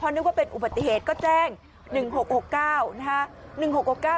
นึกว่าเป็นอุบัติเหตุก็แจ้ง๑๖๖๙นะฮะ